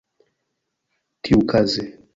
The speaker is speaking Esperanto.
tiukaze